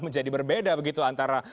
menjadi berbeda begitu antara